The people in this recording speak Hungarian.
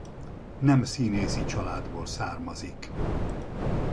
Nem színészi családból származik.